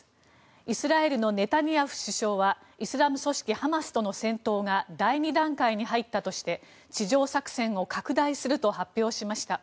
イスラエルのネタニヤフ首相はイスラム組織ハマスとの戦闘が第２段階に入ったとして地上作戦を拡大すると発表しました。